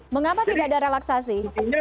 mengapa tidak ada relaksasi